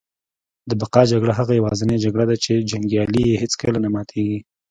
د بقا جګړه هغه یوازینۍ جګړه ده چي جنګیالي یې هیڅکله نه ماتیږي